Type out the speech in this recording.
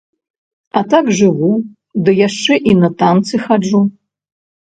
А так жыву, ды яшчэ і на танцы хаджу.